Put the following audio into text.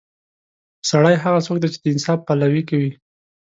سړی هغه څوک دی چې د انصاف پلوي کوي.